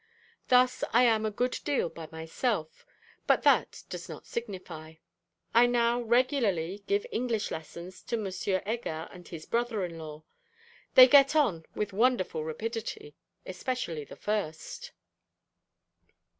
Thus I am a good deal by myself; but that does not signify. I now regularly give English lessons to M. Heger and his brother in law. They get on with wonderful rapidity, especially the first.